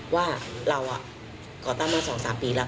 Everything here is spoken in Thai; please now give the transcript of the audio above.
ว่าเราก่อตั้งเมื่อ๒๓ปีแล้ว